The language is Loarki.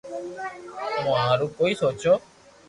مون ھارو ڪوئي سوچو